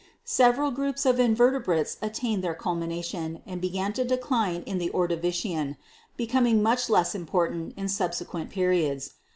Several groups of inver tebrates attained their culmination and began to decline in the Ordovician, becoming much less important in subse quent periods.